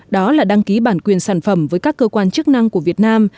đó là đăng ký bản quyền sản phẩm với các cơ quan chức năng của việt nam